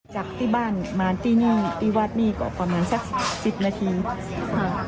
จากที่บ้านมาที่นี่ที่วัดนี่ก็ประมาณสักสิบนาทีค่ะ